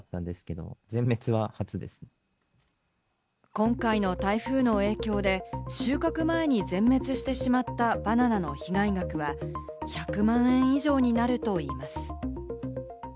今回の台風の影響で収穫前に全滅してしまったバナナの被害額は１００万円以上になるといいます。